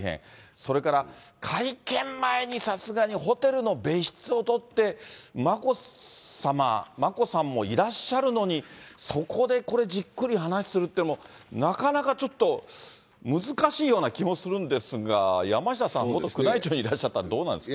それから会見前にさすがにホテルの別室を取って、眞子さま、眞子さんもいらっしゃるのに、そこでこれ、じっくり話するといっても、なかなかちょっと、難しいような気もするんですが、山下さん、元宮内庁にいらっしゃって、どうなんですか。